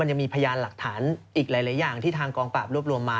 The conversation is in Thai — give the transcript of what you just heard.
ยังมีพยานหลักฐานอีกหลายอย่างที่ทางกองปราบรวบรวมมา